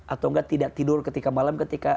atau enggak tidak tidur ketika malam ketika